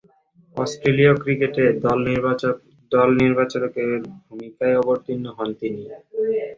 অস্ট্রেলীয় ক্রিকেটে দল নির্বাচকের ভূমিকায় অবতীর্ণ হন তিনি।